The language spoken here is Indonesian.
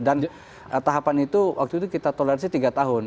dan tahapan itu waktu itu kita toleransi tiga tahun